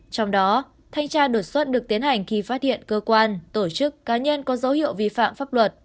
trong đó thanh tra đột xuất được tiến hành khi phát hiện cơ quan tổ chức cá nhân có dấu hiệu vi phạm pháp luật